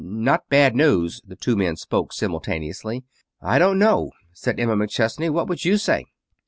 "Not bad news?" The two men spoke simultaneously. "I don't know," said Emma McChesney. "What would you say?"